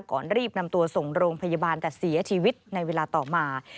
ก่อนรีบนำตัวส่งโรงพยาบาลแต่เสียชีวิตในเวลาต่อมา